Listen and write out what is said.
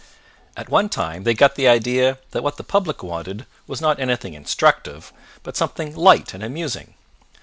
At one time they got the idea that what the public wanted was not anything instructive but something light and amusing.